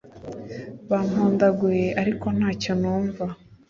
bampondaguye, ariko nta cyo numva